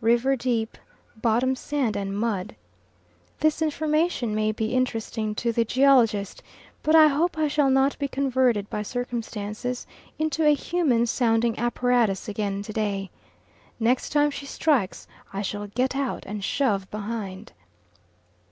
River deep, bottom sand and mud. This information may be interesting to the geologist, but I hope I shall not be converted by circumstances into a human sounding apparatus again to day. Next time she strikes I shall get out and shove behind.